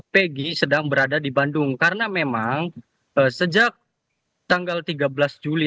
pegi sedang berada di bandung karena memang sejak tanggal tiga belas juli